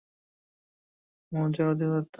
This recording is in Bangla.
যার অর্থ মৌজার অধিকর্তা।